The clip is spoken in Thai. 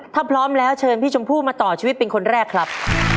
ถ้าพร้อมแล้วเชิญพี่ชมพู่มาต่อชีวิตเป็นคนแรกครับ